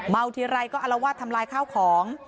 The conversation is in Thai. เมาท์ทีไรก็อลวาดทำลายข้าวของ